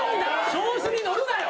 調子に乗るなよ！